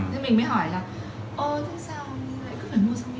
thì mình mới hỏi là ơ thế sao lại cứ phải mua sơ mi không ạ